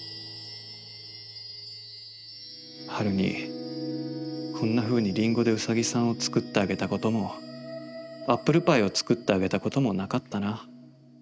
はるにこんなふうに林檎でうさぎさんを作ってあげたこともアップルパイを作ってあげたこともなかったな。